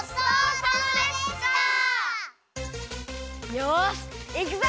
よしいくぞ！